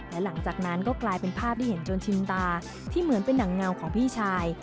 และหลังจากนั้นก็กลายเป็นภาพที่เห็นจนชินตาที่เหมือนเป็นหนังเงาของพี่ชาย